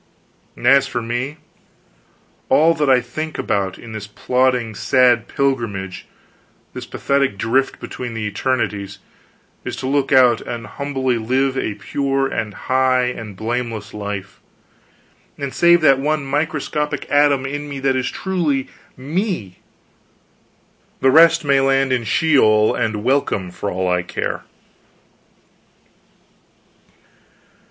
And as for me, all that I think about in this plodding sad pilgrimage, this pathetic drift between the eternities, is to look out and humbly live a pure and high and blameless life, and save that one microscopic atom in me that is truly me: the rest may land in Sheol and welcome for all I care.